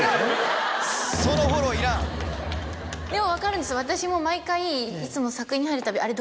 でも分かるんです私も毎回いつも作品に入るたびあれ？